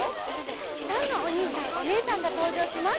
たくさんのおにいさんおねえさんがとうじょうします！